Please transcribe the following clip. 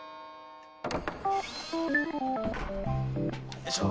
よいしょ。